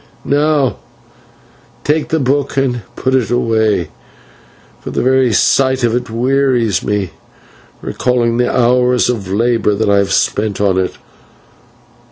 "Now take the book and put it away, for the very sight of it wearies me, recalling the hours of labour that I have spent on it.